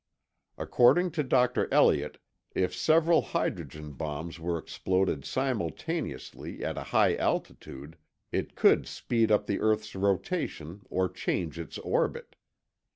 According to Dr. Elliott, if several hydrogen bombs were exploded simultaneously at a high altitude, it could speed up the earth's rotation or change its orbit.